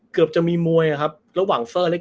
เกือบจะมีมวยครับระหว่างเซอร์เล็ก